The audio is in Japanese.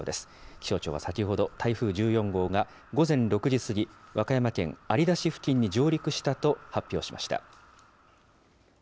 気象庁は先ほど、台風１４号が午前６時過ぎ、和歌山県有田市付近に上陸したと発表しました。